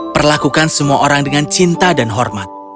perlakukan semua orang dengan cinta dan hormat